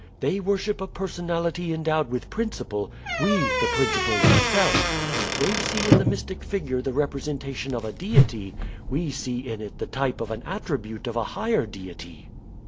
They worship a personality endowed with principle; we the principle itself. They see in the mystic figure the representation of a deity; we see in it the type of an attribute of a higher deity.